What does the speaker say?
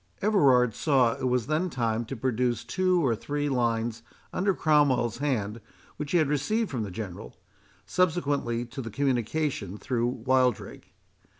Everard saw it was then time to produce two or three lines under Cromwell's hand, which he had received from the General, subsequently to the communication through Wildrake.